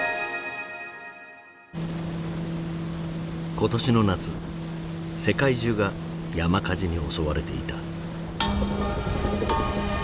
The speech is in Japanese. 今年の夏世界中が山火事に襲われていた。